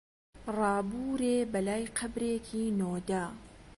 ڕابوورێ بەلای قەبرێکی نۆدا